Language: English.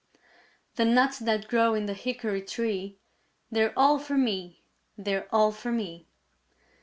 "The nuts that grow in the hickory tree They're all for me! They're all for me!"